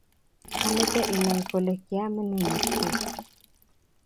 Ameche inai kole kiaimgei